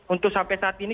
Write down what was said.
untuk sampai saat ini